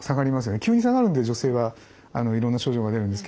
急に下がるんで女性はいろんな症状が出るんですけども。